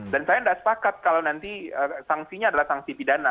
dan saya tidak sepakat kalau nanti sanksinya adalah sanksi pidana